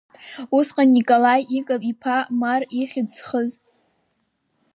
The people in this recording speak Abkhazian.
Усҟан Николаи Иаков-иԥа Марр ихьӡ зхыз.